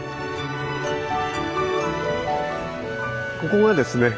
ここがですね